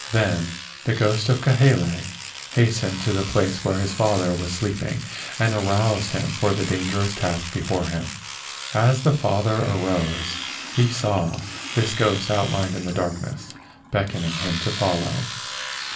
Then the ghost of Kahele hastened to the place where the father was sleeping and aroused him for the dangerous task before him. As the father arose he saw this ghost outlined in the darkness, beckoning him to follow.